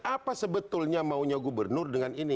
apa sebetulnya maunya gubernur dengan ini